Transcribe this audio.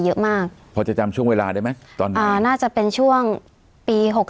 เยอะมากพอจะจำช่วงเวลาได้ไหมตอนนั้นอ่าน่าจะเป็นช่วงปีหก